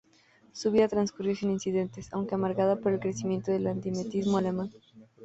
Su vida transcurrió sin incidentes, aunque amargada por el crecimiento del Antisemitismo alemán.